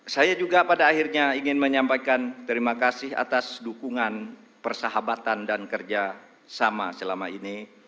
saya juga pada akhirnya ingin menyampaikan terima kasih atas dukungan persahabatan dan kerjasama selama ini